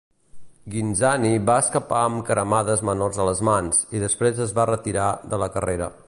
Ghinzani va escapar amb cremades menors a les mans, i després es va retira de la carrera.